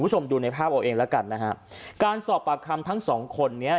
คุณผู้ชมดูในภาพเอาเองแล้วกันนะฮะการสอบปากคำทั้งสองคนนี้